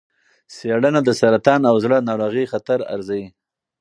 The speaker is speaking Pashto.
څېړنه د سرطان او زړه ناروغۍ خطر ارزوي.